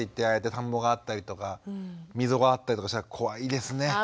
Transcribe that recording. やって田んぼがあったりとか溝があったりとかしたら怖いですね。